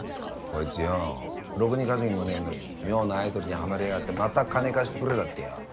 こいつよろくに稼ぎもねぇのに妙なアイドルにはまりやがってまた金貸してくれだってよ。